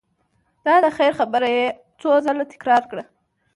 دا د خیر خبره یې څو ځل تکرار کړه.